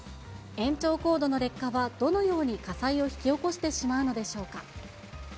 延長コードの劣化は、どのように火災を引き起こしてしまうのでしょうか。